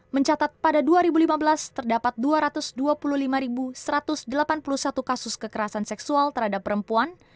mencatat pada dua ribu lima belas terdapat dua ratus dua puluh lima satu ratus delapan puluh satu kasus kekerasan seksual terhadap perempuan